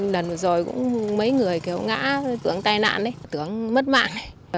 lần vừa rồi cũng mấy người kiểu ngã tưởng tai nạn đấy tưởng mất mạng